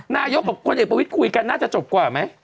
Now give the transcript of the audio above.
นายกกับคนเอกประวิทย์คุยกันน่าจะจบกว่าไหม